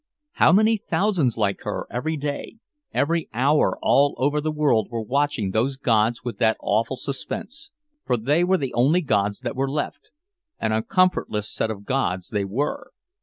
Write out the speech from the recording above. How many thousands like her every day, every hour all over the world were watching those gods with that awful suspense. For they were the only gods that were left, and a comfortless set of gods they were!